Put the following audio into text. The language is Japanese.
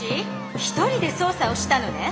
一人で捜査をしたのね？